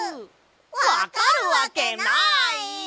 わかるわけない！